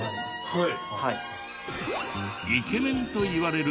はい。